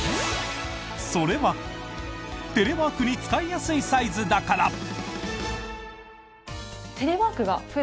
それは、テレワークに使いやすいサイズだから。